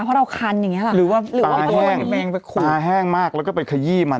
เพราะเราคันอย่างเงี้ยหรอหรือว่าห้าแห้งห้าแห้งมากแล้วก็ไปขยี้มัน